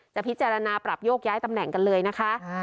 จะพิจารณาปรับโยกย้ายตำแหน่งกันเลยนะคะ